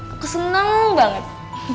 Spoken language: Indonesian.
aku seneng banget